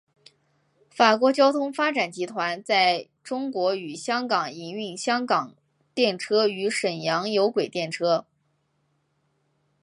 法国交通发展集团在中国与香港营运香港电车与沈阳有轨电车。